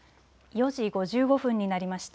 ４時５５分になりました。